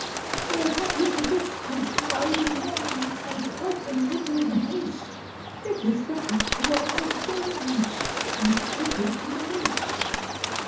"Oh! what is that comes gliding in, And quite in middling haste? It is the picture of my Jones, And painted to the waist.